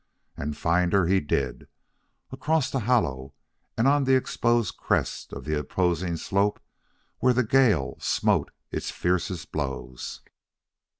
And find her he did, across the hollow and on the exposed crest of the opposing slope where the gale smote its fiercest blows.